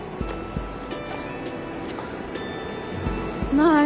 ない。